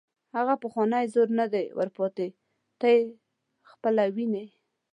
هغه پخوانی زور نه دی ور پاتې، ته یې خپله ویني.